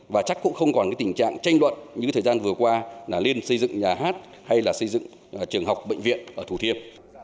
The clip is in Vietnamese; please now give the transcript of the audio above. và chắc cũng không còn tình trạng tranh luận như thời gian vừa qua là liên xây dựng nhà hát hay là xây dựng trường học bệnh viện ở thủ thiêm